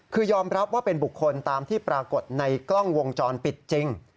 คือยอมรับว่าเป็นบุคคลตามที่ปรากฏในกล้องวงจรปิดจริง